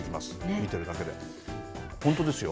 見ているだけで、本当ですよ。